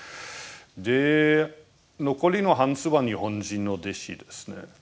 で残りの半数は日本人の弟子ですね。